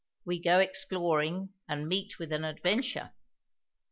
WE GO EXPLORING, AND MEET WITH AN ADVENTURE.